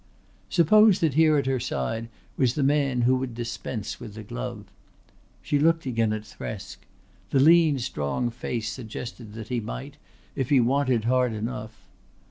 Suppose that here at her side was the man who would dispense with the glove! She looked again at Thresk. The lean strong face suggested that he might, if he wanted hard enough.